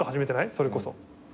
それこそ。